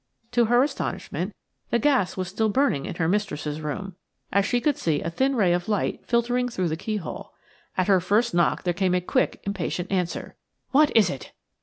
To her astonishment the gas was still burning in her mistress's room, as she could see a thin ray of light filtering through the keyhole. At her first knock there came a quick, impatient answer: "What is it?"